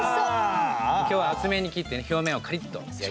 今日は厚めに切って表面をカリッと仕上げて。